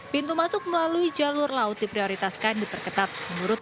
pintu masuk melalui jalur laut diprioritaskan diperketat